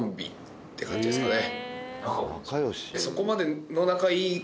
って感じですかね。